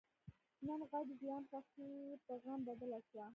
نن غټ زیان؛ خوښي په غم بدله شوه.